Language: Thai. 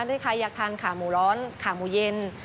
ถ้าใครอยากทานขาหมูร้อนขาหมูเย็น